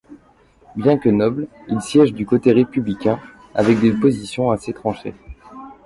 Bien que noble, il siège du côté républicain, avec des positions assez tranchées.